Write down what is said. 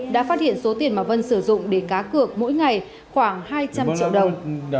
đã phát hiện số tiền mà vân sử dụng để cá cược mỗi ngày khoảng hai trăm linh triệu đồng